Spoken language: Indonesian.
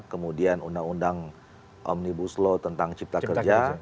kemudian undang undang omnibus law tentang cipta kerja